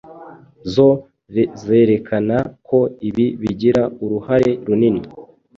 zo zerekana ko ibi bigira uruhare runini